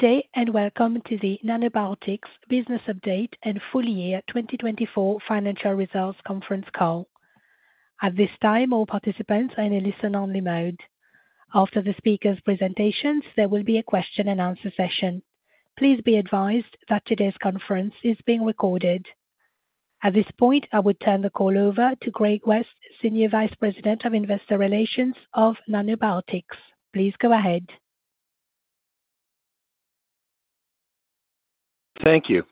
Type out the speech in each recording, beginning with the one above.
Update and welcome to the Nanobiotix Business Update and Full Year 2024 Financial Results Conference Call. At this time, all participants are in a listen-only mode. After the speakers' presentations, there will be a question-and-answer session. Please be advised that today's conference is being recorded. At this point, I would turn the call over to Craig West, Senior Vice President of Investor Relations of Nanobiotix. Please go ahead. Thank you.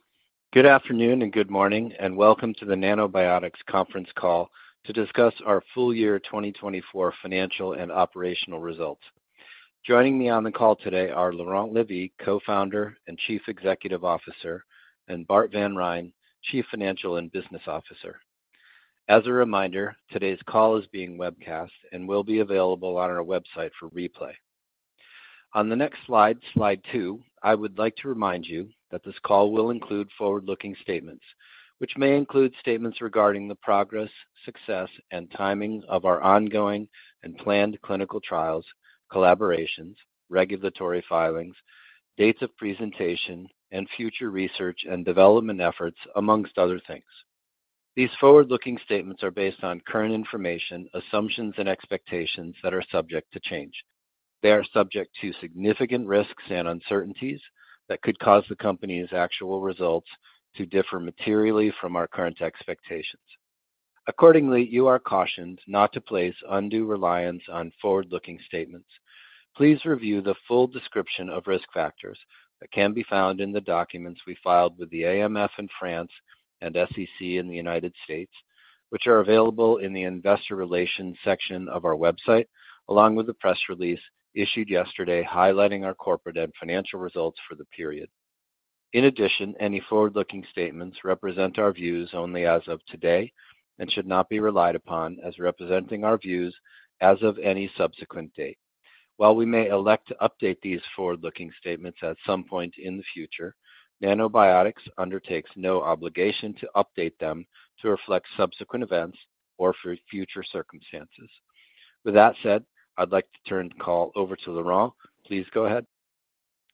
Good afternoon and good morning, and welcome to the Nanobiotix Conference Call to discuss our full year 2024 financial and operational results. Joining me on the call today are Laurent Levy, Co-Founder and Chief Executive Officer, and Bart Van Rhijn, Chief Financial and Business Officer. As a reminder, today's call is being webcast and will be available on our website for replay. On the next slide, slide two, I would like to remind you that this call will include forward-looking statements, which may include statements regarding the progress, success, and timing of our ongoing and planned clinical trials, collaborations, regulatory filings, dates of presentation, and future research and development efforts, amongst other things. These forward-looking statements are based on current information, assumptions, and expectations that are subject to change. They are subject to significant risks and uncertainties that could cause the company's actual results to differ materially from our current expectations. Accordingly, you are cautioned not to place undue reliance on forward-looking statements. Please review the full description of risk factors that can be found in the documents we filed with the AMF in France and SEC in the United States, which are available in the Investor Relations section of our website, along with the press release issued yesterday highlighting our corporate and financial results for the period. In addition, any forward-looking statements represent our views only as of today and should not be relied upon as representing our views as of any subsequent date. While we may elect to update these forward-looking statements at some point in the future, Nanobiotix undertakes no obligation to update them to reflect subsequent events or for future circumstances. With that said, I'd like to turn the call over to Laurent. Please go ahead.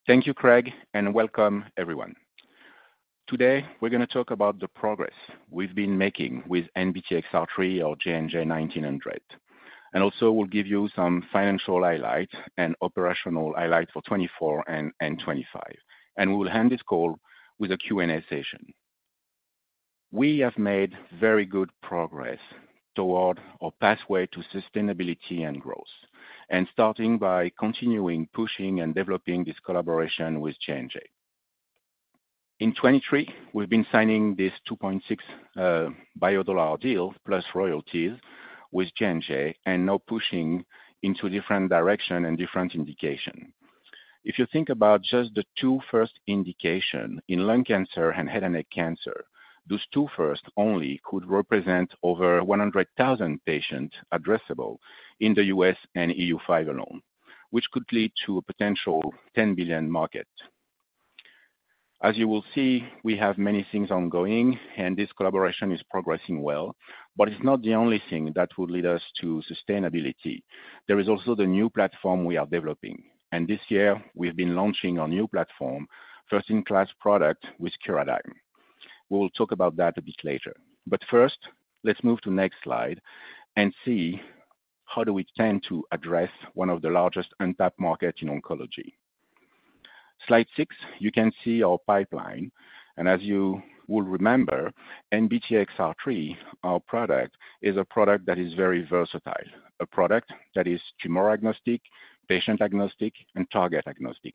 Thank you, Craig, and welcome everyone. Today, we're going to talk about the progress we've been making with NBTXR3 or JNJ-1900. Also, we'll give you some financial highlights and operational highlights for 2024 and 2025. We'll end this call with a Q&A session. We have made very good progress toward our pathway to sustainability and growth, starting by continuing pushing and developing this collaboration with J&J. In 2023, we've been signing this $2.6 billion deal plus royalties with J&J and now pushing into different directions and different indications. If you think about just the two first indications in lung cancer and head and neck cancer, those two first only could represent over 100,000 patients addressable in the U.S. and EU5 alone, which could lead to a potential $10 billion market. As you will see, we have many things ongoing, and this collaboration is progressing well, but it's not the only thing that would lead us to sustainability. There is also the new platform we are developing. This year, we've been launching our new platform, first-in-class product with Curadigm. We'll talk about that a bit later. First, let's move to the next slide and see how do we tend to address one of the largest untapped markets in oncology. Slide six, you can see our pipeline. As you will remember, NBTXR3, our product, is a product that is very versatile, a product that is tumor agnostic, patient agnostic, and target agnostic,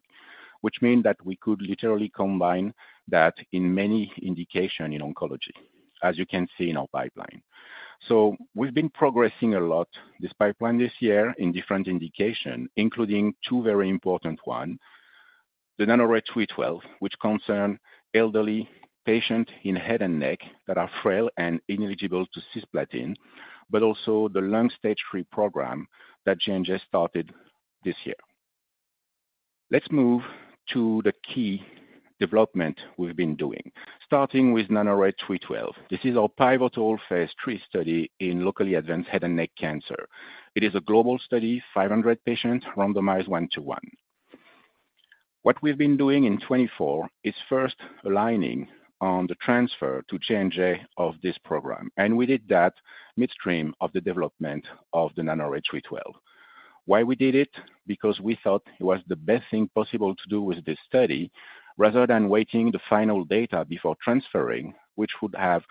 which means that we could literally combine that in many indications in oncology, as you can see in our pipeline. We have been progressing a lot this pipeline this year in different indications, including two very important ones: the NANORAY-312, which concerns elderly patients in head and neck that are frail and ineligible to cisplatin, but also the lung stage III program that J&J started this year. Let's move to the key development we have been doing, starting with NANORAY-312. This is our pivotal phase III study in locally advanced head and neck cancer. It is a global study, 500 patients, randomized one-to-one. What we have been doing in 2024 is first aligning on the transfer to J&J of this program. We did that midstream of the development of the NANORAY-312. Why did we do it? Because we thought it was the best thing possible to do with this study. Rather than waiting for the final data before transferring, which would have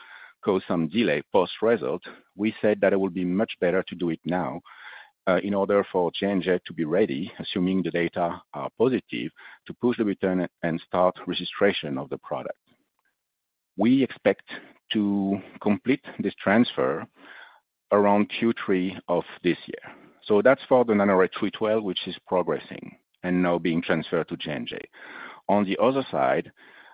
caused some delay post-result, we said that it would be much better to do it now in order for J&J to be ready, assuming the data are positive, to push the return and start registration of the product. We expect to complete this transfer around Q3 of this year. That is for the NANORAY-312, which is progressing and now being transferred to J&J. On the other side,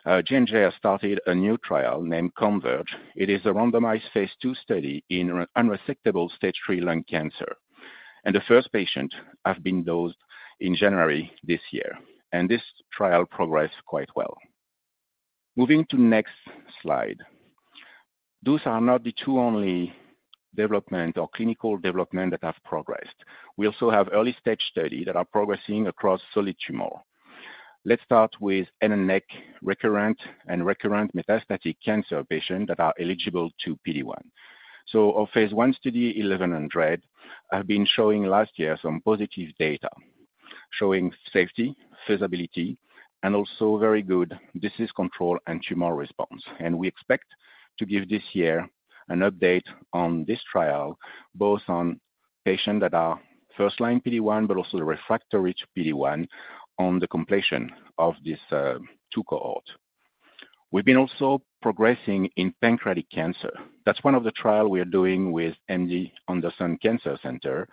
J&J has started a new trial named Converge. It is a randomized phase II study in unresectable stage III lung cancer. The first patients have been dosed in January this year. This trial progressed quite well. Moving to the next slide. Those are not the two only developments or clinical developments that have progressed. We also have early-stage studies that are progressing across solid tumor. Let's start with head and neck recurrent and recurrent metastatic cancer patients that are eligible to PD-1. Our phase I study, 1100, has been showing last year some positive data showing safety, feasibility, and also very good disease control and tumor response. We expect to give this year an update on this trial, both on patients that are first-line PD-1, but also the refractory to PD-1 on the completion of this two cohort. We've been also progressing in pancreatic cancer. That's one of the trials we are doing with MD Anderson Cancer Center.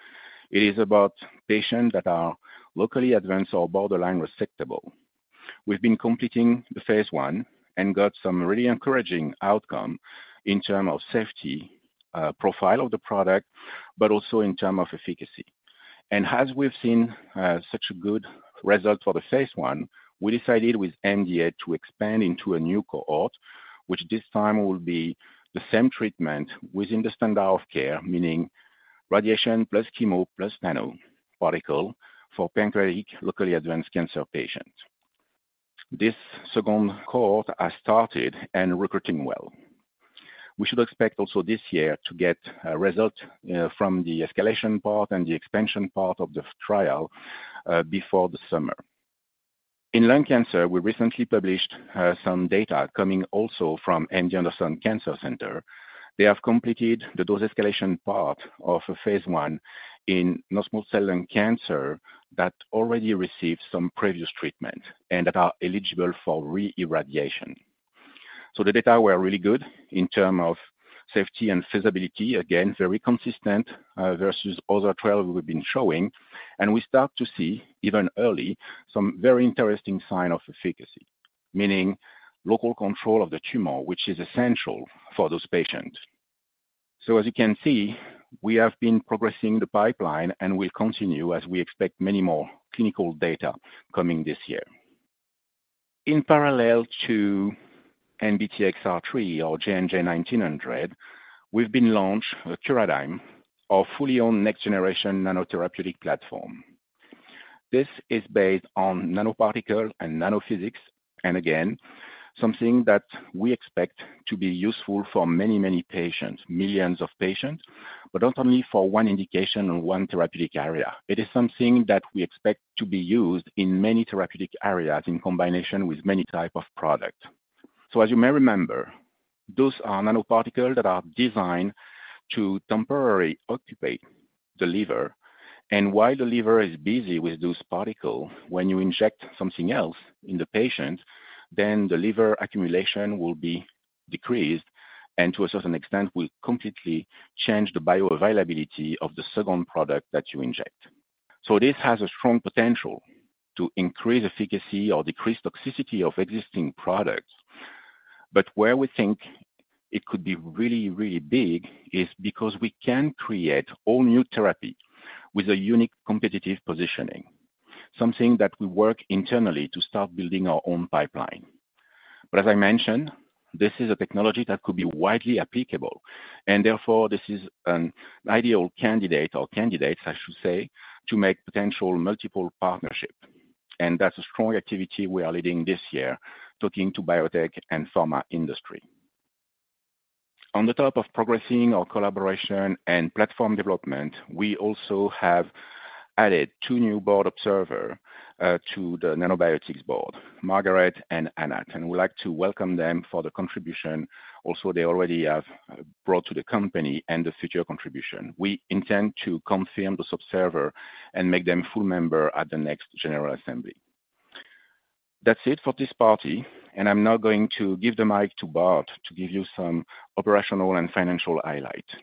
It is about patients that are locally advanced or borderline resectable. We've been completing phase I and got some really encouraging outcomes in terms of safety profile of the product, but also in terms of efficacy. As we've seen such a good result for phase I, we decided with MD Anderson Cancer Center to expand into a new cohort, which this time will be the same treatment within the standard of care, meaning radiation plus chemo plus nanoparticle for pancreatic locally advanced cancer patients. This second cohort has started and is recruiting well. We should expect also this year to get results from the escalation part and the expansion part of the trial before the summer. In lung cancer, we recently published some data coming also from MD Anderson Cancer Center. They have completed the dose escalation part of phase I in non-small cell lung cancer that already received some previous treatment and that are eligible for re-irradiation. The data were really good in terms of safety and feasibility, again, very consistent versus other trials we've been showing. We start to see even early some very interesting signs of efficacy, meaning local control of the tumor, which is essential for those patients. As you can see, we have been progressing the pipeline, and we'll continue as we expect many more clinical data coming this year. In parallel to NBTXR3 or JNJ-1900, we've been launching Curadigm, our fully owned next-generation nanotherapeutic platform. This is based on nanoparticle and nanophysics, and again, something that we expect to be useful for many, many patients, millions of patients, but not only for one indication or one therapeutic area. It is something that we expect to be used in many therapeutic areas in combination with many types of products. As you may remember, those are nanoparticles that are designed to temporarily occupy the liver. While the liver is busy with those particles, when you inject something else in the patient, the liver accumulation will be decreased, and to a certain extent, will completely change the bioavailability of the second product that you inject. This has a strong potential to increase efficacy or decrease toxicity of existing products. Where we think it could be really, really big is because we can create all-new therapy with a unique competitive positioning, something that we work on internally to start building our own pipeline. As I mentioned, this is a technology that could be widely applicable. Therefore, this is an ideal candidate or candidates, I should say, to make potential multiple partnerships. That is a strong activity we are leading this year, talking to biotech and pharma industry. On the top of progressing our collaboration and platform development, we also have added two new board observers to the Nanobiotix board, Margaret and Anat. We would like to welcome them for the contribution also they already have brought to the company and the future contribution. We intend to confirm those observers and make them full members at the next general assembly. That is it for this party. I am now going to give the mic to Bart to give you some operational and financial highlights.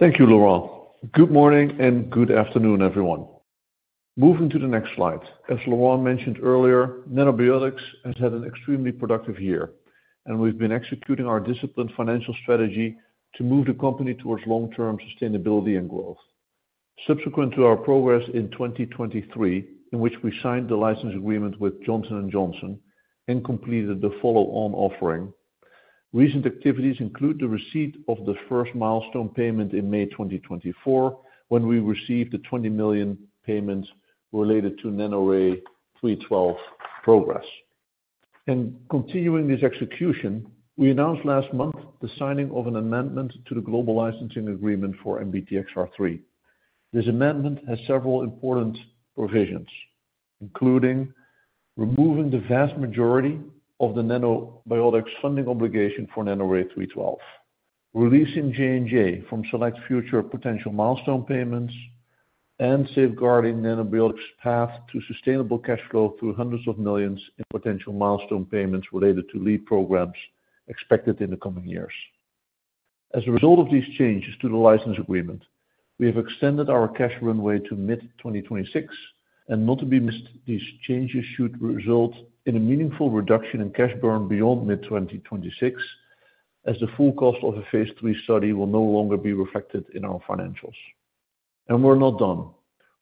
Thank you, Laurent. Good morning and good afternoon, everyone. Moving to the next slide. As Laurent mentioned earlier, Nanobiotix has had an extremely productive year, and we've been executing our disciplined financial strategy to move the company towards long-term sustainability and growth. Subsequent to our progress in 2023, in which we signed the license agreement with Johnson & Johnson and completed the follow-on offering, recent activities include the receipt of the first milestone payment in May 2024, when we received the $20 million payment related to NANORAY-312 progress. Continuing this execution, we announced last month the signing of an amendment to the global licensing agreement for NBTXR3. This amendment has several important provisions, including removing the vast majority of the Nanobiotix funding obligation for NANORAY-312, releasing J&J from select future potential milestone payments, and safeguarding Nanobiotix' path to sustainable cash flow through hundreds of millions in potential milestone payments related to lead programs expected in the coming years. As a result of these changes to the license agreement, we have extended our cash runway to mid-2026. These changes should result in a meaningful reduction in cash burn beyond mid-2026, as the full cost of a phase III study will no longer be reflected in our financials.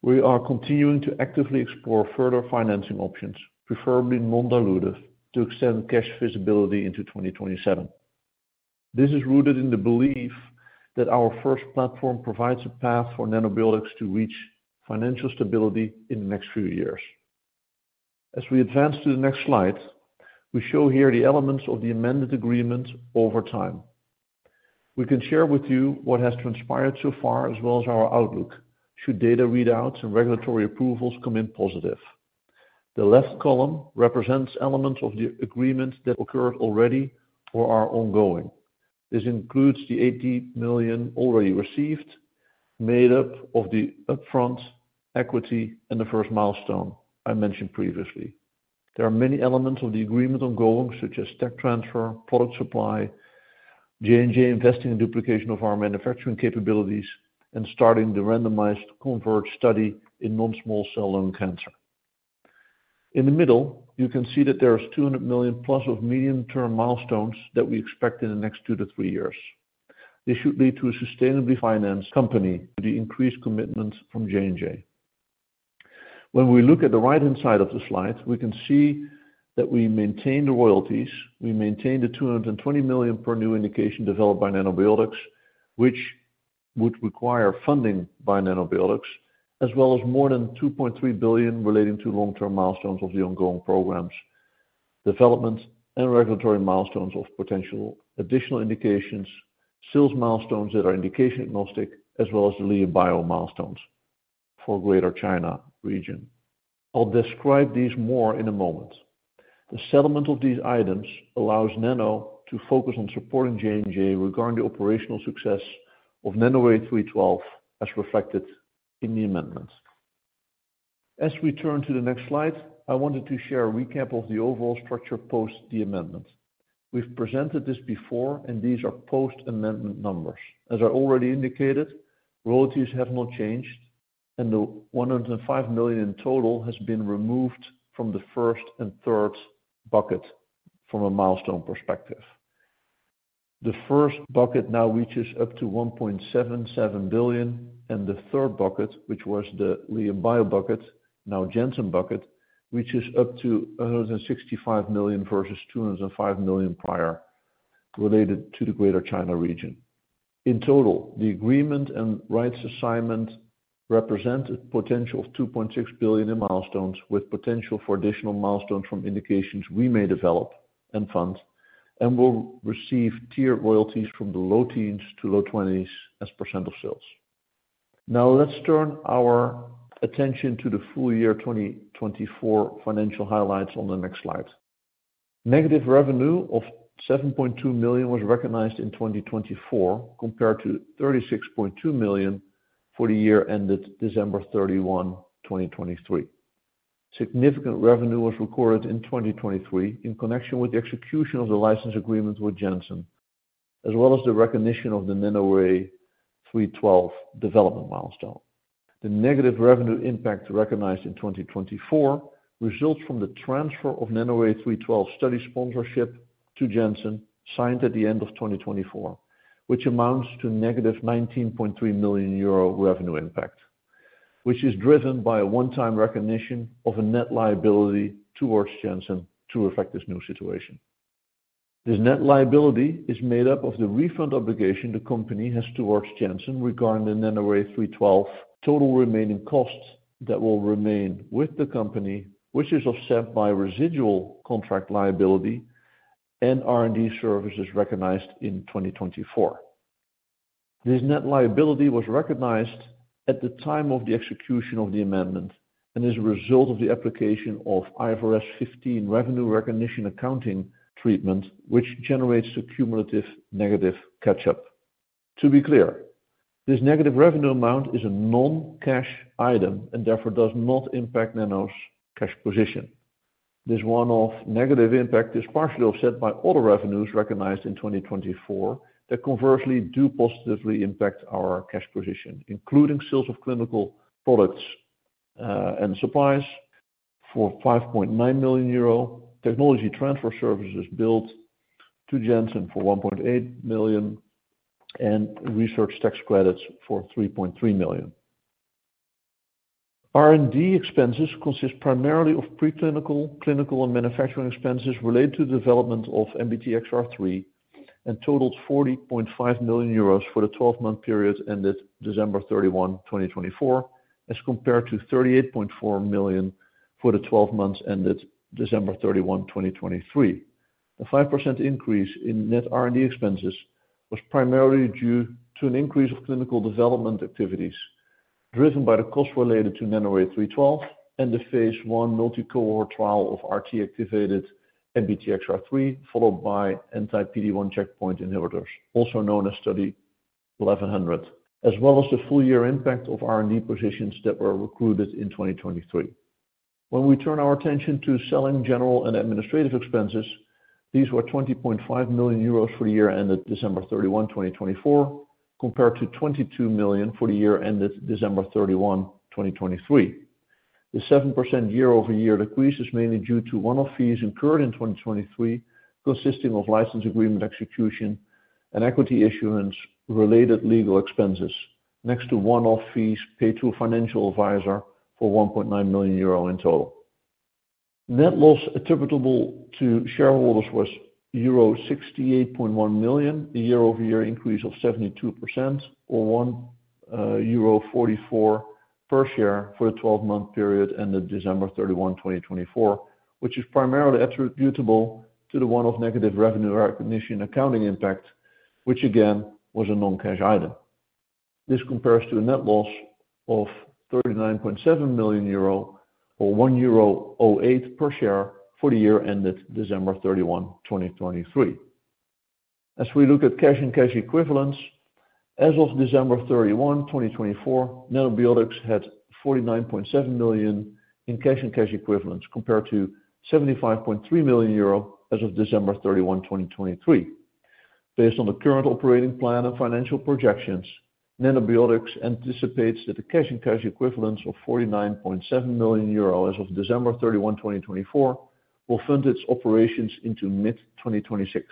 We are continuing to actively explore further financing options, preferably non-dilutive, to extend cash feasibility into 2027. This is rooted in the belief that our first platform provides a path for Nanobiotix to reach financial stability in the next few years. As we advance to the next slide, we show here the elements of the amended agreement over time. We can share with you what has transpired so far, as well as our outlook should data readouts and regulatory approvals come in positive. The left column represents elements of the agreement that occurred already or are ongoing. This includes the 80 million already received, made up of the upfront equity and the first milestone I mentioned previously. There are many elements of the agreement ongoing, such as tech transfer, product supply, J&J investing in duplication of our manufacturing capabilities, and starting the randomized Converge study in non-small cell lung cancer. In the middle, you can see that there are 200 million plus of medium-term milestones that we expect in the next two to three years. This should lead to a sustainably financed company with the increased commitments from J&J. When we look at the right-hand side of the slide, we can see that we maintained the royalties. We maintained the $220 million per new indication developed by Nanobiotix, which would require funding by Nanobiotix, as well as more than $2.3 billion relating to long-term milestones of the ongoing programs, development, and regulatory milestones of potential additional indications, sales milestones that are indication agnostic, as well as the LianBio milestones for Greater China region. I'll describe these more in a moment. The settlement of these items allows Nano to focus on supporting J&J regarding the operational success of NANORAY-312, as reflected in the amendment. As we turn to the next slide, I wanted to share a recap of the overall structure post the amendment. We've presented this before, and these are post-amendment numbers. As I already indicated, royalties have not changed, and the $105 million in total has been removed from the first and third bucket from a milestone perspective. The first bucket now reaches up to $1.77 billion, and the third bucket, which was the LianBio bucket, now Janssen bucket, reaches up to $165 million versus $205 million prior related to the Greater China region. In total, the agreement and rights assignment represent a potential of $2.6 billion in milestones, with potential for additional milestones from indications we may develop and fund, and we'll receive tiered royalties from the low teens to low 20s as % of sales. Now, let's turn our attention to the full year 2024 financial highlights on the next slide. Negative revenue of 7.2 million was recognized in 2024, compared to 36.2 million for the year ended December 31, 2023. Significant revenue was recorded in 2023 in connection with the execution of the license agreement with Janssen, as well as the recognition of the NANORAY-312 development milestone. The negative revenue impact recognized in 2024 results from the transfer of NANORAY-312 study sponsorship to Janssen signed at the end of 2024, which amounts to negative 19.3 million euro revenue impact, which is driven by a one-time recognition of a net liability towards Janssen to reflect this new situation. This net liability is made up of the refund obligation the company has towards Janssen regarding the NANORAY-312 total remaining costs that will remain with the company, which is offset by residual contract liability and R&D services recognized in 2024. This net liability was recognized at the time of the execution of the amendment and is a result of the application of IFRS 15 revenue recognition accounting treatment, which generates a cumulative negative catch-up. To be clear, this negative revenue amount is a non-cash item and therefore does not impact Nano's cash position. This one-off negative impact is partially offset by other revenues recognized in 2024 that conversely do positively impact our cash position, including sales of clinical products and supplies for 5.9 million euro, technology transfer services billed to Johnson & Johnson for 1.8 million, and research tax credits for 3.3 million. R&D expenses consist primarily of preclinical, clinical, and manufacturing expenses related to the development of NBTXR3 and totaled 40.5 million euros for the 12-month period ended December 31, 2024, as compared to 38.4 million for the 12 months ended December 31, 2023. The 5% increase in net R&D expenses was primarily due to an increase of clinical development activities driven by the cost related to NANORAY-312 and the phase I multicohort trial of RT-activated NBTXR3, followed by anti-PD-1 checkpoint inhibitors, also known as study 1100, as well as the full year impact of R&D positions that were recruited in 2023. When we turn our attention to selling, general and administrative expenses, these were 20.5 million euros for the year ended December 31, 2024, compared to 22 million for the year ended December 31, 2023. The 7% year-over-year decrease is mainly due to one-off fees incurred in 2023, consisting of license agreement execution and equity issuance-related legal expenses, next to one-off fees paid to a financial advisor for 1.9 million euro in total. Net loss attributable to shareholders was euro 68.1 million, a year-over-year increase of 72%, or 1.44 euro per share for the 12-month period ended December 31, 2024, which is primarily attributable to the one-off negative revenue recognition accounting impact, which again was a non-cash item. This compares to a net loss of 39.7 million euro, or 1.08 euro per share for the year ended December 31, 2023. As we look at cash and cash equivalents, as of December 31, 2024, Nanobiotix had 49.7 million in cash and cash equivalents compared to 75.3 million euro as of December 31, 2023. Based on the current operating plan and financial projections, Nanobiotix anticipates that the cash and cash equivalents of 49.7 million euro as of December 31, 2024, will fund its operations into mid-2026.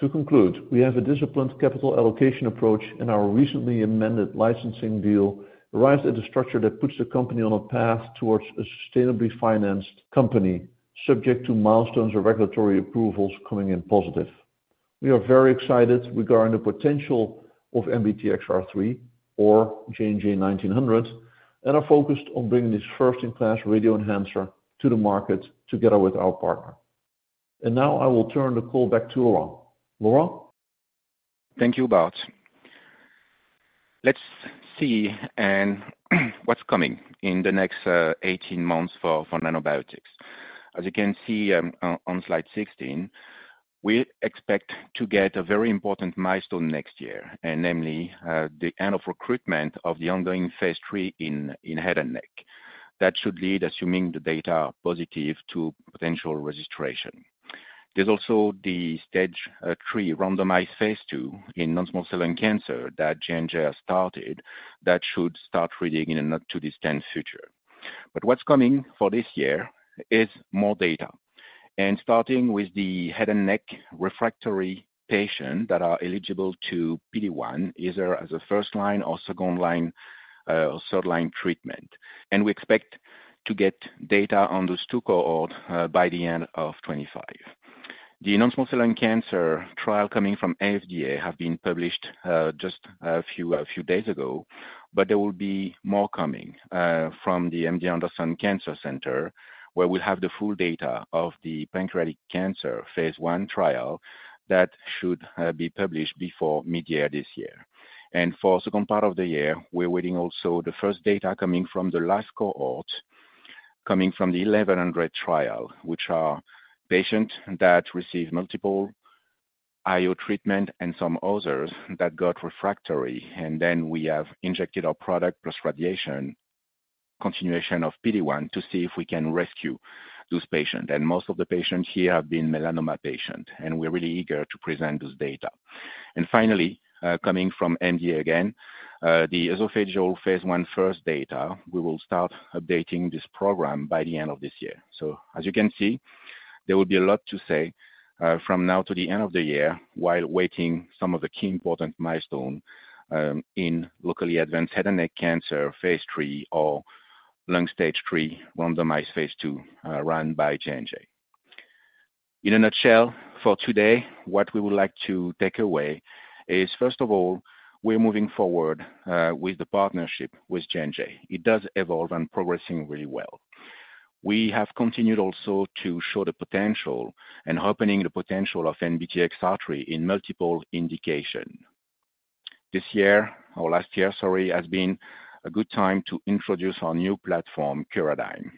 To conclude, we have a disciplined capital allocation approach, and our recently amended licensing deal arrives at a structure that puts the company on a path towards a sustainably financed company, subject to milestones or regulatory approvals coming in positive. We are very excited regarding the potential of NBTXR3 or JNJ-1900, and are focused on bringing this first-in-class radioenhancer to the market together with our partner. Now I will turn the call back to Laurent. Laurent? Thank you, Bart. Let's see what's coming in the next 18 months for Nanobiotix. As you can see on slide 16, we expect to get a very important milestone next year, namely the end of recruitment of the ongoing phase III in head and neck. That should lead, assuming the data are positive, to potential registration. There is also the stage III randomized phase II in non-small cell lung cancer that J&J has started that should start reading in the not-too-distant future. What is coming for this year is more data. Starting with the head and neck refractory patients that are eligible to PD-1, either as a first-line or second-line or third-line treatment. We expect to get data on those two cohorts by the end of 2025. The non-small cell lung cancer trial coming from AFDA has been published just a few days ago, but there will be more coming from the MD Anderson Cancer Center, where we'll have the full data of the pancreatic cancer phase I trial that should be published before mid-year this year. For the second part of the year, we're waiting also the first data coming from the last cohort, coming from the 1100 trial, which are patients that received multiple IO treatments and some others that got refractory. We have injected our product plus radiation, continuation of PD-1, to see if we can rescue those patients. Most of the patients here have been melanoma patients, and we're really eager to present those data. Finally, coming from MD again, the esophageal phase I first data, we will start updating this program by the end of this year. As you can see, there will be a lot to say from now to the end of the year while waiting for some of the key important milestones in locally advanced head and neck cancer phase III or lung stage III randomized phase II run by J&J. In a nutshell, for today, what we would like to take away is, first of all, we're moving forward with the partnership with J&J. It does evolve and progress really well. We have continued also to show the potential and opening the potential of NBTXR3 in multiple indications. This year, or last year, sorry, has been a good time to introduce our new platform, Curadigm.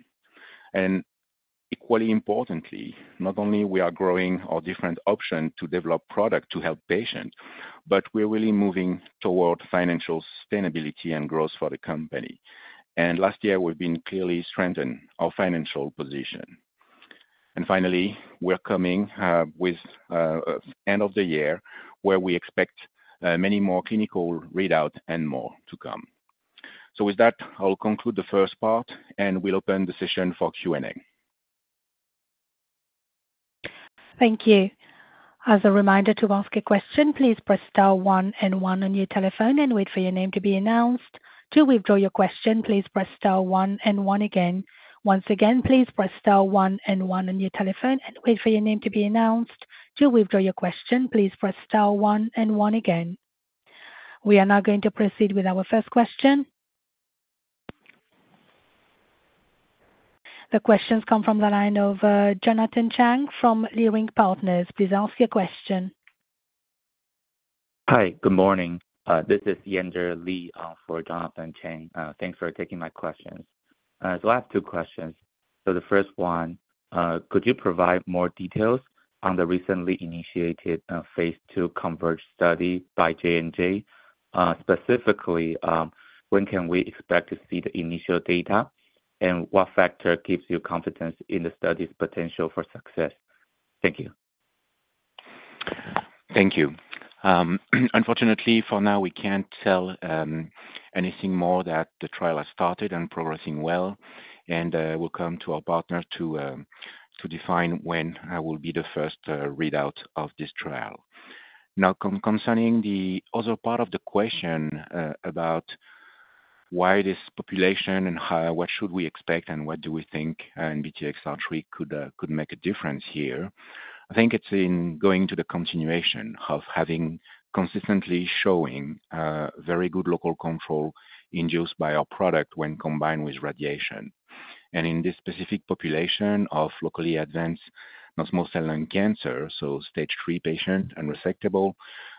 Equally importantly, not only are we growing our different options to develop products to help patients, but we're really moving toward financial sustainability and growth for the company. Last year, we've been clearly strengthening our financial position. Finally, we're coming with the end of the year, where we expect many more clinical readouts and more to come. With that, I'll conclude the first part, and we'll open the session for Q&A. Thank you. As a reminder to ask a question, please press star one and one on your telephone and wait for your name to be announced. To withdraw your question, please press star one and one again. Once again, please press star one and one on your telephone and wait for your name to be announced. To withdraw your question, please press star one and one again. We are now going to proceed with our first question. The questions come from the line of Jonathan Chang from Leerink Partners. Please ask your question. Hi, good morning. This is Yen-Der Li for Jonathan Chang. Thanks for taking my questions. I have two questions. The first one, could you provide more details on the recently initiated phase II Converge study by J&J? Specifically, when can we expect to see the initial data, and what factor gives you confidence in the study's potential for success? Thank you. Thank you. Unfortunately, for now, we can't tell anything more that the trial has started and progressing well, and we'll come to our partners to define when will be the first readout of this trial. Now, concerning the other part of the question about why this population and what should we expect and what do we think NBTXR3 could make a difference here, I think it's in going to the continuation of having consistently showing very good local control induced by our product when combined with radiation. In this specific population of locally advanced non-small cell lung cancer, so stage III patients and resectable,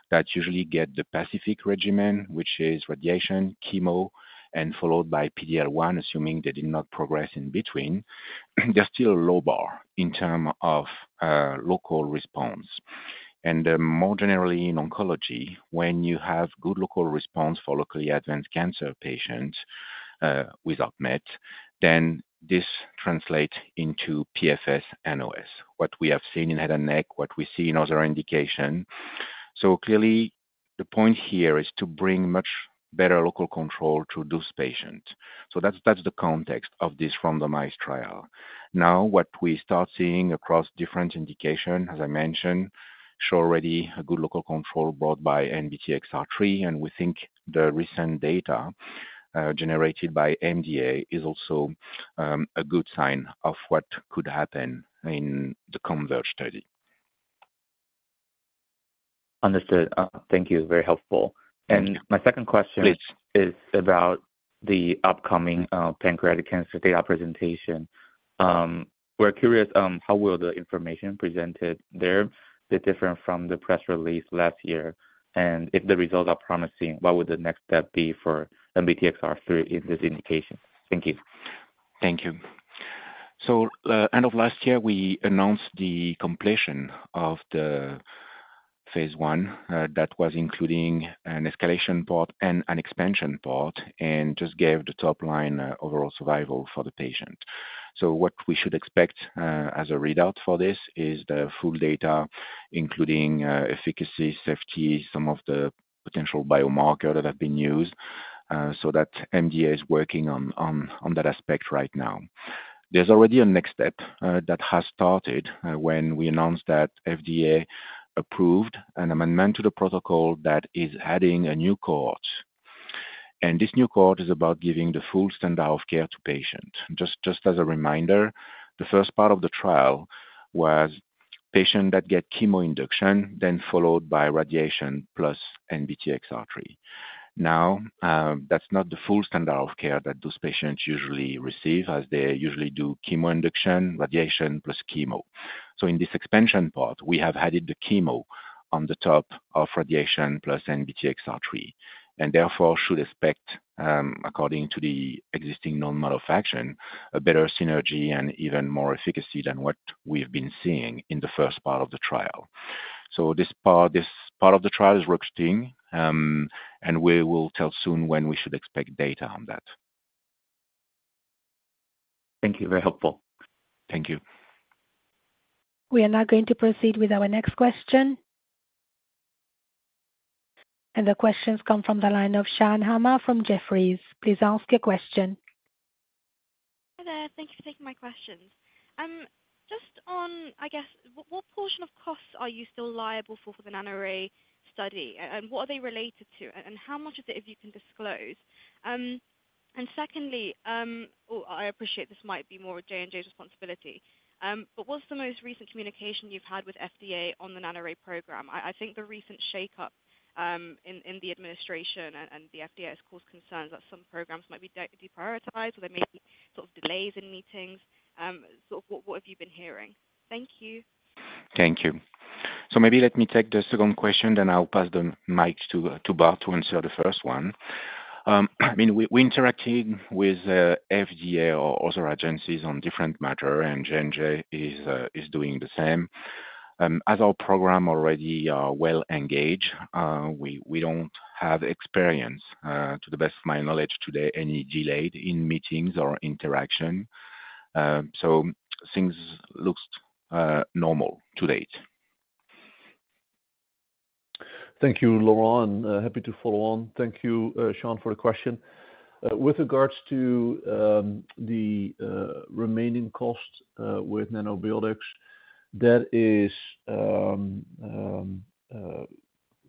that usually get the Pacific regimen, which is radiation, chemo, and followed by PD-1, assuming they did not progress in between, there's still a low bar in terms of local response. More generally, in oncology, when you have good local response for locally advanced cancer patients with ARPMET, then this translates into PFS and OS, what we have seen in head and neck, what we see in other indications. Clearly, the point here is to bring much better local control to those patients. That is the context of this randomized trial. Now, what we start seeing across different indications, as I mentioned, show already good local control brought by NBTXR3, and we think the recent data generated by MDA is also a good sign of what could happen in the Converge study. Understood. Thank you. Very helpful. My second question is about the upcoming pancreatic cancer data presentation. We're curious how will the information presented there be different from the press release last year? If the results are promising, what would the next step be for NBTXR3 in this indication? Thank you. Thank you. End of last year, we announced the completion of the phase I that was including an escalation part and an expansion part, and just gave the top line overall survival for the patient. What we should expect as a readout for this is the full data, including efficacy, safety, some of the potential biomarkers that have been used, so that MD Anderson Cancer Center is working on that aspect right now. There is already a next step that has started when we announced that FDA approved an amendment to the protocol that is adding a new cohort. This new cohort is about giving the full standard of care to patients. Just as a reminder, the first part of the trial was patients that get chemo induction, then followed by radiation plus NBTXR3. Now, that's not the full standard of care that those patients usually receive, as they usually do chemo induction, radiation, plus chemo. In this expansion part, we have added the chemo on the top of radiation plus NBTXR3, and therefore should expect, according to the existing known manufacturing, a better synergy and even more efficacy than what we've been seeing in the first part of the trial. This part of the trial is rotating, and we will tell soon when we should expect data on that. Thank you. Very helpful. Thank you. We are now going to proceed with our next question. The questions come from the line of Sean Hamer from Jefferies. Please ask your question. Hello. Thank you for taking my questions. Just on, I guess, what portion of costs are you still liable for the NANORAY study, and what are they related to, and how much of it have you can disclose? Secondly, I appreciate this might be more of J&J's responsibility, but what's the most recent communication you've had with FDA on the NANORAY program? I think the recent shake-up in the administration and the FDA has caused concerns that some programs might be deprioritized, or there may be sort of delays in meetings. What have you been hearing? Thank you. Thank you. Maybe let me take the second question, then I'll pass the mic to Bart to answer the first one. I mean, we interacted with FDA or other agencies on different matters, and J&J is doing the same. As our program already well engaged, we don't have experience, to the best of my knowledge today, any delay in meetings or interaction. Things look normal to date. Thank you, Laurent. Happy to follow on. Thank you, Shawn, for the question. With regards to the remaining cost with Nanobiotix, that is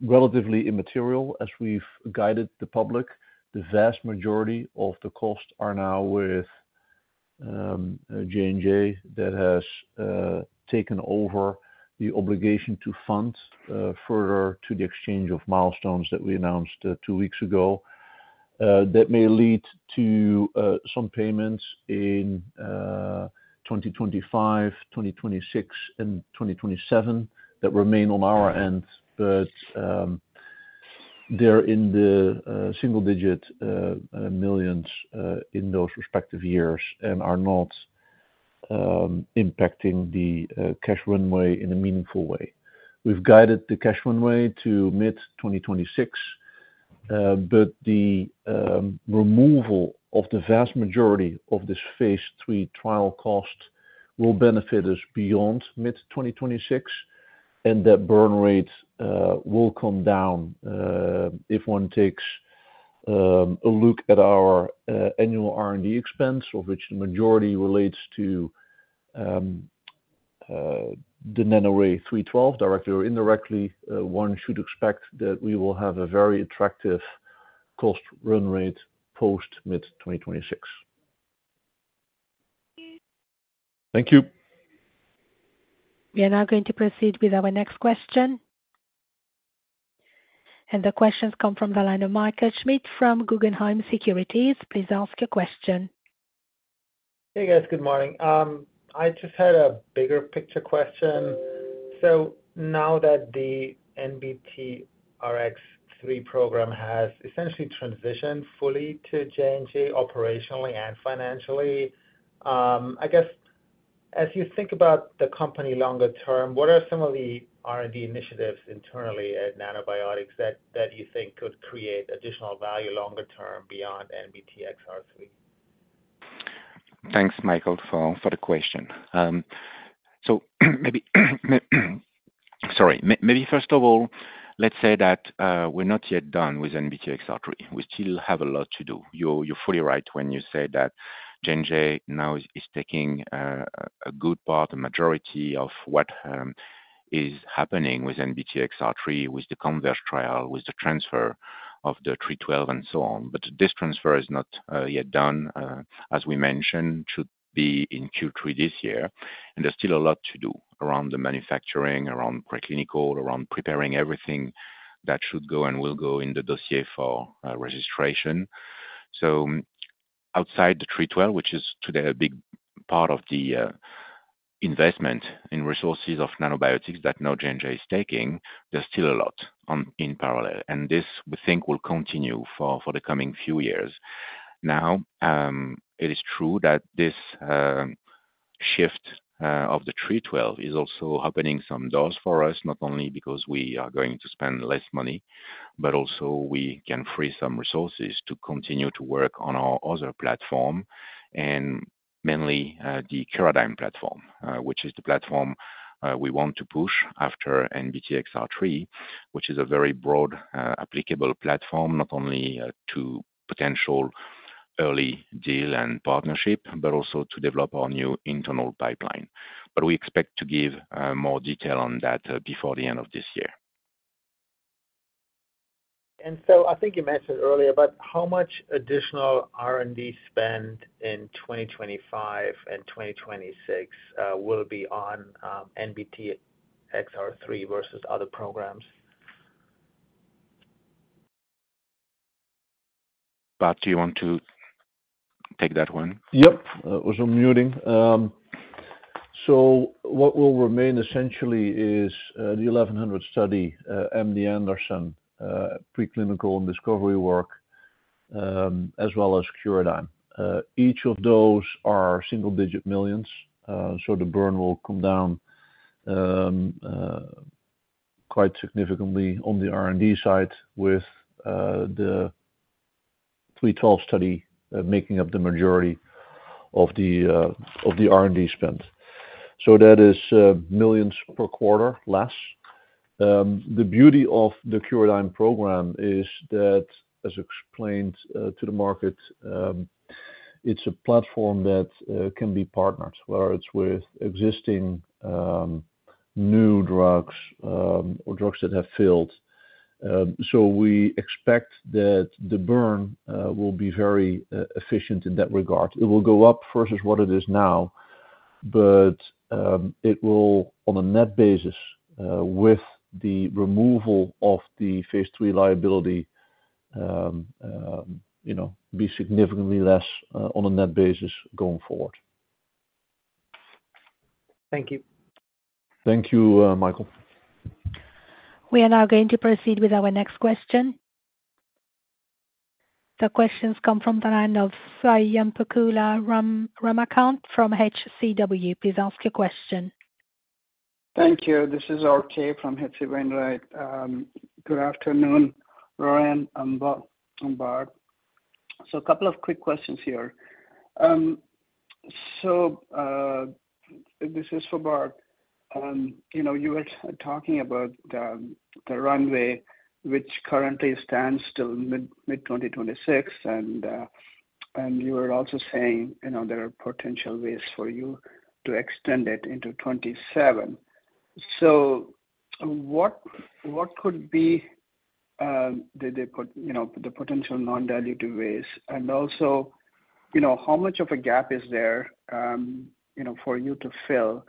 relatively immaterial. As we've guided the public, the vast majority of the costs are now with J&J that has taken over the obligation to fund further to the exchange of milestones that we announced two weeks ago. That may lead to some payments in 2025, 2026, and 2027 that remain on our end, but they're in the single-digit millions in those respective years and are not impacting the cash runway in a meaningful way. We've guided the cash runway to mid-2026, but the removal of the vast majority of this phase III trial cost will benefit us beyond mid-2026, and that burn rate will come down if one takes a look at our annual R&D expense, of which the majority relates to the NANORAY-312, directly or indirectly. One should expect that we will have a very attractive cost run rate post mid-2026. Thank you. We are now going to proceed with our next question. The questions come from the line of Michael Schmidt from Guggenheim Securities. Please ask your question. Hey, guys. Good morning. I just had a bigger picture question. Now that the NBTXR3 program has essentially transitioned fully to J&J operationally and financially, I guess, as you think about the company longer term, what are some of the R&D initiatives internally at Nanobiotix that you think could create additional value longer term beyond NBTXR3? Thanks, Michael, for the question. Maybe first of all, let's say that we're not yet done with NBTXR3. We still have a lot to do. You're fully right when you say that J&J now is taking a good part, a majority of what is happening with NBTXR3, with the Converge trial, with the transfer of the 312, and so on. This transfer is not yet done. As we mentioned, it should be in Q3 this year. There's still a lot to do around the manufacturing, around preclinical, around preparing everything that should go and will go in the dossier for registration. Outside the 312, which is today a big part of the investment in resources of Nanobiotix that now J&J is taking, there's still a lot in parallel. This, we think, will continue for the coming few years. Now, it is true that this shift of the 312 is also opening some doors for us, not only because we are going to spend less money, but also we can free some resources to continue to work on our other platform, and mainly the Curadigm platform, which is the platform we want to push after NBTXR3, which is a very broad applicable platform, not only to potential early deal and partnership, but also to develop our new internal pipeline. We expect to give more detail on that before the end of this year. I think you mentioned earlier, but how much additional R&D spend in 2025 and 2026 will be on NBTXR3 versus other programs? Bart, do you want to take that one? Yep. As I'm muting, what will remain essentially is the 1100 study, MD Anderson, preclinical and discovery work, as well as Curadigm. Each of those are single-digit millions. The burn will come down quite significantly on the R&D side with the 312 study making up the majority of the R&D spend. That is millions per quarter less. The beauty of the Curadigm program is that, as explained to the market, it's a platform that can be partnered, whether it's with existing new drugs or drugs that have failed. We expect that the burn will be very efficient in that regard. It will go up versus what it is now, but it will, on a net basis, with the removal of the phase III liability, be significantly less on a net basis going forward. Thank you. Thank you, Michael. We are now going to proceed with our next question. The questions come from the line of Swayampakula Ramakanth from H.C. Wainwright. Please ask your question. Thank you. This is RK from H.C. Wainwright. Good afternoon, Laurent and Bart. A couple of quick questions here. This is for Bart. You were talking about the runway, which currently stands till mid-2026, and you were also saying there are potential ways for you to extend it into 2027. What could be the potential non-dilutive ways? Also, how much of a gap is there for you to fill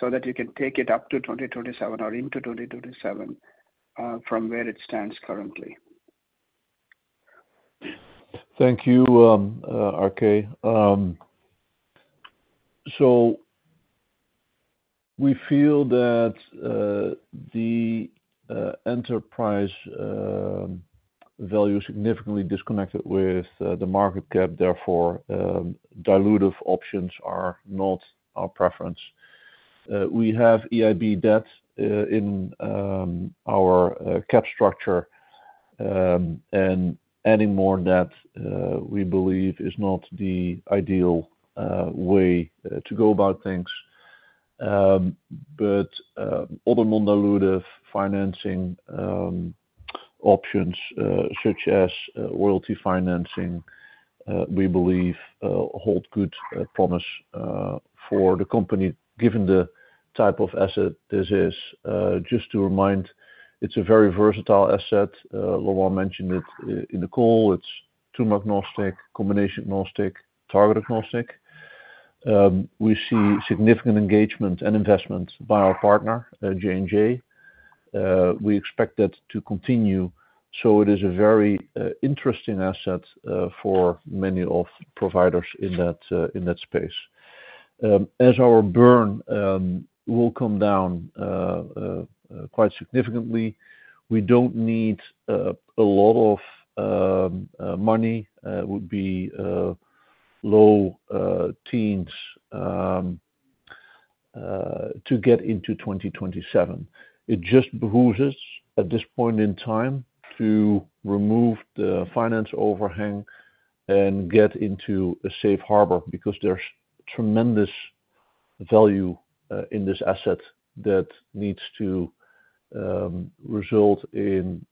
so that you can take it up to 2027 or into 2027 from where it stands currently? Thank you, RK. We feel that the enterprise value is significantly disconnected with the market cap. Therefore, dilutive options are not our preference. We have EIB debt in our cap structure, and adding more debt, we believe, is not the ideal way to go about things. Other non-dilutive financing options, such as royalty financing, we believe hold good promise for the company, given the type of asset this is. Just to remind, it is a very versatile asset. Laurent mentioned it in the call. It is tumor agnostic, combination agnostic, target agnostic. We see significant engagement and investment by our partner, J&J. We expect that to continue. It is a very interesting asset for many of the providers in that space. As our burn will come down quite significantly, we do not need a lot of money; it would be low teens to get into 2027. It just behooves us, at this point in time, to remove the finance overhang and get into a safe harbor because there's tremendous value in this asset that needs to result in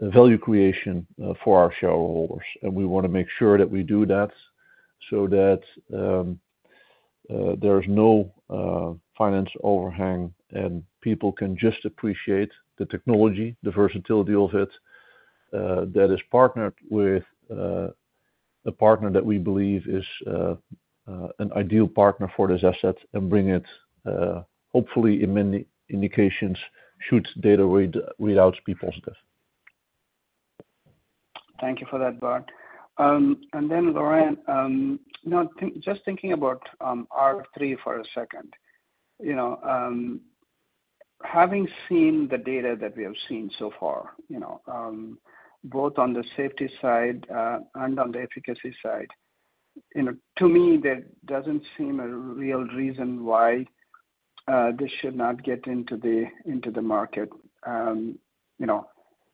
value creation for our shareholders. We want to make sure that we do that so that there's no finance overhang and people can just appreciate the technology, the versatility of it, that is partnered with a partner that we believe is an ideal partner for this asset and bring it, hopefully, in many indications should data readouts be positive. Thank you for that, Bart. Laurent, just thinking about R3 for a second. Having seen the data that we have seen so far, both on the safety side and on the efficacy side, to me, there does not seem a real reason why this should not get into the market.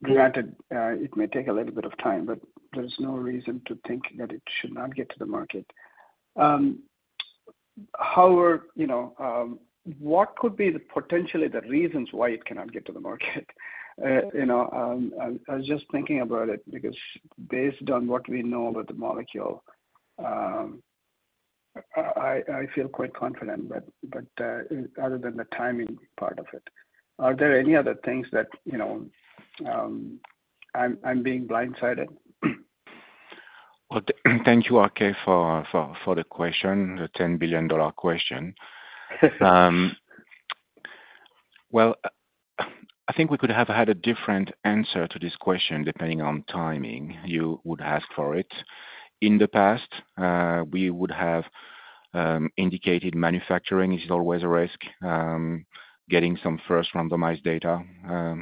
Granted, it may take a little bit of time, but there is no reason to think that it should not get to the market. However, what could be potentially the reasons why it cannot get to the market? I was just thinking about it because, based on what we know about the molecule, I feel quite confident, but other than the timing part of it, are there any other things that I am being blindsided? Thank you, RK, for the question, the $10 billion question. I think we could have had a different answer to this question depending on timing. You would ask for it. In the past, we would have indicated manufacturing is always a risk. Getting some first randomized data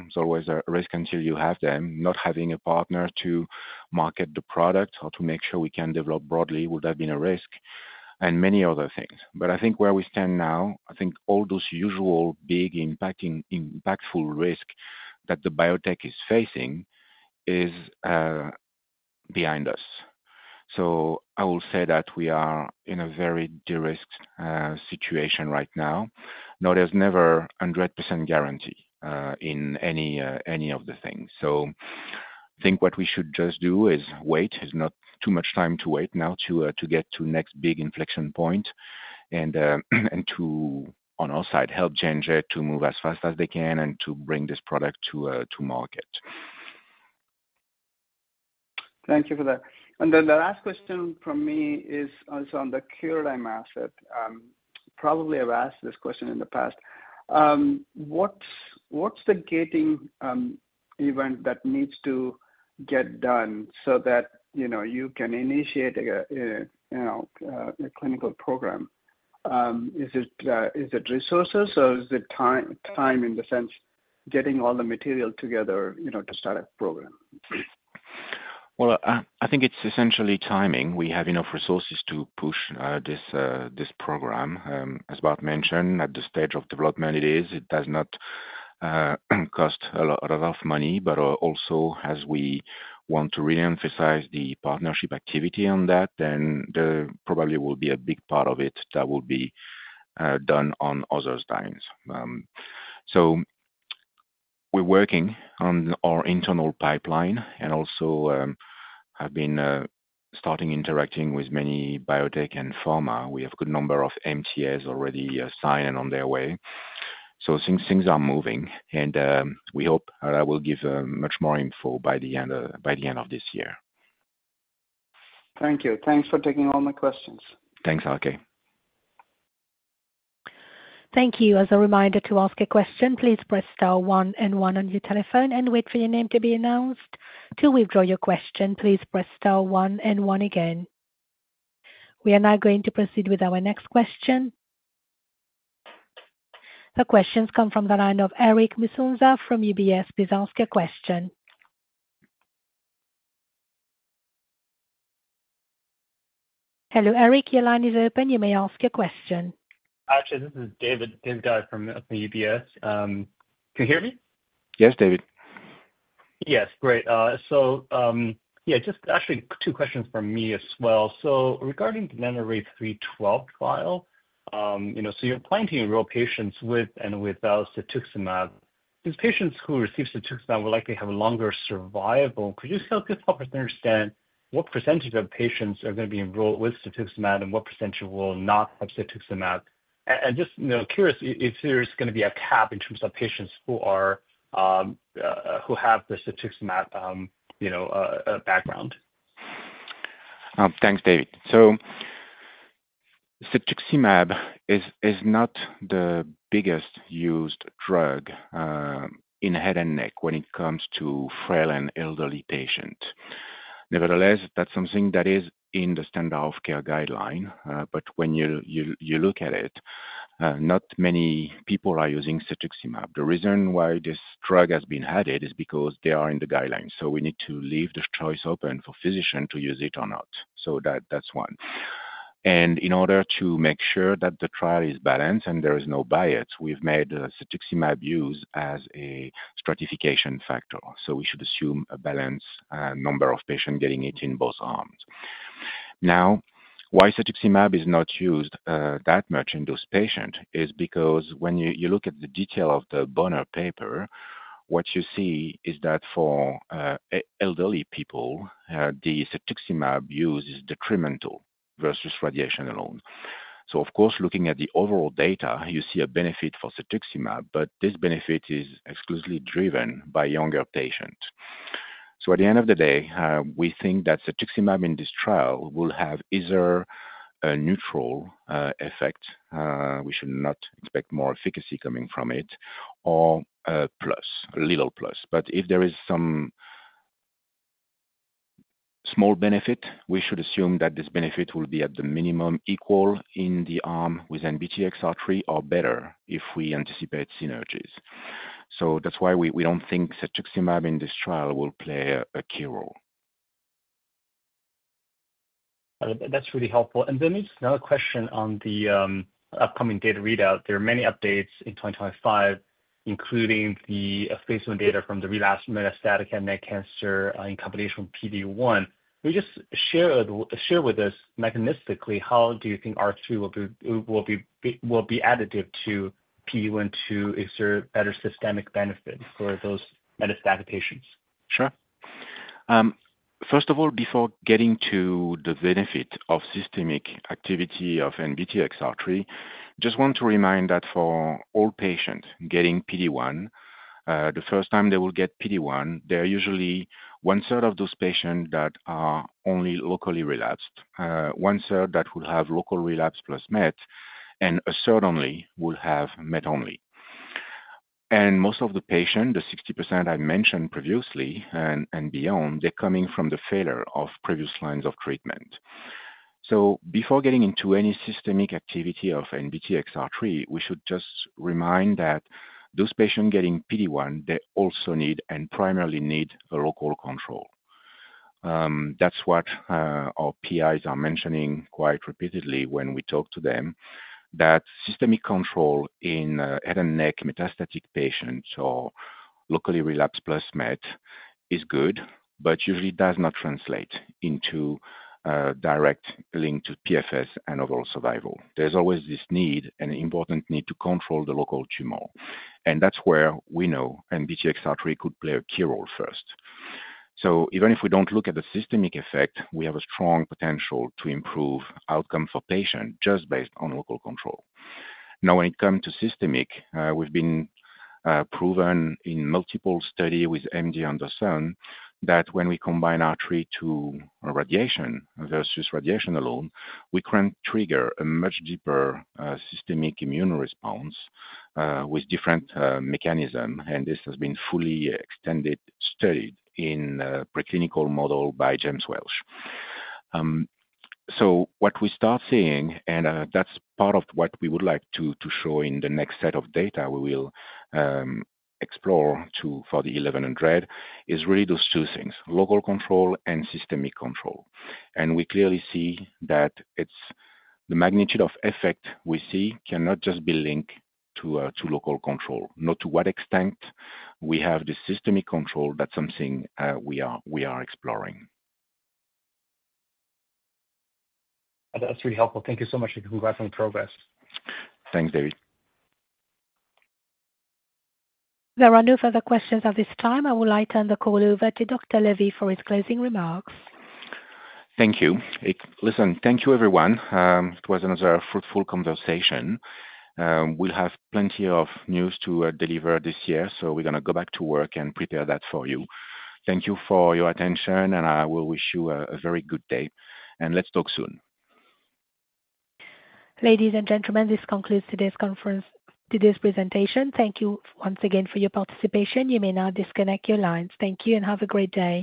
is always a risk until you have them. Not having a partner to market the product or to make sure we can develop broadly would have been a risk, and many other things. I think where we stand now, I think all those usual big impactful risks that the biotech is facing are behind us. I will say that we are in a very de-risked situation right now. There is never 100% guarantee in any of the things. I think what we should just do is wait. There's not too much time to wait now to get to the next big inflection point and to, on our side, help J&J to move as fast as they can and to bring this product to market. Thank you for that. The last question from me is also on the Curadigm asset. Probably I've asked this question in the past. What's the gating event that needs to get done so that you can initiate a clinical program? Is it resources or is it time in the sense getting all the material together to start a program? I think it's essentially timing. We have enough resources to push this program. As Bart mentioned, at the stage of development, it is. It does not cost a lot of money. Also, as we want to really emphasize the partnership activity on that, there probably will be a big part of it that will be done on other times. We're working on our internal pipeline and also have been starting interacting with many biotech and pharma. We have a good number of MTAs already signed and on their way. Things are moving. We hope that I will give much more info by the end of this year. Thank you. Thanks for taking all my questions. Thanks, RK. Thank you. As a reminder to ask a question, please press star one and one on your telephone and wait for your name to be announced. To withdraw your question, please press star one and one again. We are now going to proceed with our next question. The questions come from the line of Eric Musonza from UBS, please ask your question. Hello, Eric. Your line is open. You may ask your question. Actually, this is Dave Guy from UBS. Can you hear me? Yes, David. Yes. Great. Yeah, just actually two questions for me as well. Regarding the NANORAY-312 file, you're planning to enroll patients with and without cetuximab. These patients who receive cetuximab will likely have a longer survival. Could you help us understand what percentage of patients are going to be enrolled with cetuximab and what percentage will not have cetuximab? Just curious if there's going to be a cap in terms of patients who have the cetuximab background. Thanks, David. Cetuximab is not the biggest used drug in head and neck when it comes to frail and elderly patients. Nevertheless, that's something that is in the standard of care guideline. When you look at it, not many people are using cetuximab. The reason why this drug has been added is because they are in the guidelines. We need to leave the choice open for physicians to use it or not. That's one. In order to make sure that the trial is balanced and there is no bias, we've made cetuximab used as a stratification factor. We should assume a balanced number of patients getting it in both arms. Now, why cetuximab is not used that much in those patients is because when you look at the detail of the Bonner paper, what you see is that for elderly people, the cetuximab use is detrimental versus radiation alone. Of course, looking at the overall data, you see a benefit for cetuximab, but this benefit is exclusively driven by younger patients. At the end of the day, we think that cetuximab in this trial will have either a neutral effect. We should not expect more efficacy coming from it, or a plus, a little plus. If there is some small benefit, we should assume that this benefit will be at the minimum equal in the arm with NBTXR3 or better if we anticipate synergies. That is why we do not think cetuximab in this trial will play a key role. That's really helpful. There is another question on the upcoming data readout. There are many updates in 2025, including the placement data from the relapsed metastatic head and neck cancer in combination with PD-1. Can you just share with us mechanistically how do you think R3 will be additive to PD-1 to exert better systemic benefit for those metastatic patients? Sure. First of all, before getting to the benefit of systemic activity of NBTXR3, I just want to remind that for all patients getting PD-1, the first time they will get PD-1, there are usually one-third of those patients that are only locally relapsed, one-third that will have local relapse plus met, and a third only will have met only. Most of the patients, the 60% I mentioned previously and beyond, they're coming from the failure of previous lines of treatment. Before getting into any systemic activity of NBTXR3, we should just remind that those patients getting PD-1, they also need and primarily need a local control. That's what our PIs are mentioning quite repeatedly when we talk to them, that systemic control in head and neck metastatic patients or locally relapsed plus met is good, but usually does not translate into a direct link to PFS and overall survival. There is always this need, an important need to control the local tumor. That is where we know NBTXR3 could play a key role first. Even if we do not look at the systemic effect, we have a strong potential to improve outcome for patients just based on local control. Now, when it comes to systemic, we have been proven in multiple studies with MD Anderson that when we combine R3 to radiation versus radiation alone, we can trigger a much deeper systemic immune response with different mechanisms. This has been fully extended studied in a preclinical model by James Welsh. What we start seeing, and that's part of what we would like to show in the next set of data we will explore for the 1100, is really those two things: local control and systemic control. We clearly see that the magnitude of effect we see cannot just be linked to local control, not to what extent we have the systemic control. That's something we are exploring. That's really helpful. Thank you so much for congratulating progress. Thanks, David. There are no further questions at this time. I will now turn the call over to Dr. Levy for his closing remarks. Thank you. Listen, thank you, everyone. It was another fruitful conversation. We will have plenty of news to deliver this year, so we are going to go back to work and prepare that for you. Thank you for your attention, and I will wish you a very good day. Let's talk soon. Ladies and gentlemen, this concludes today's presentation. Thank you once again for your participation. You may now disconnect your lines. Thank you and have a great day.